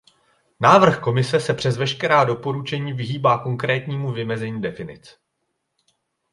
Návrh Komise se přes veškerá doporučení vyhýbá konkrétnímu vymezení definic.